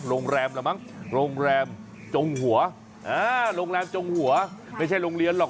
โรงแรมละมั้งโรงแรมจงหัวโรงแรมจงหัวไม่ใช่โรงเรียนหรอก